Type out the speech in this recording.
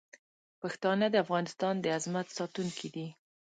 پښتانه د افغانستان د عظمت ساتونکي دي.